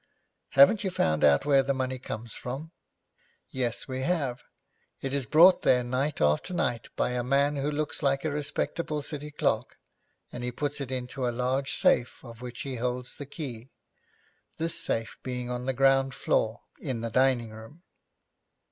'Haven't you found out where the money comes from?' 'Yes, we have; it is brought there night after night by a man who looks like a respectable city clerk, and he puts it into a large safe, of which he holds the key, this safe being on the ground floor, in the dining room.'